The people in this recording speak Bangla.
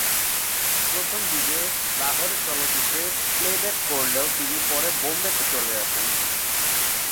প্রথম দিকে লাহোরের চলচ্চিত্রে প্লেব্যাক করলেও তিনি পরে বোম্বেতে চলে আসেন।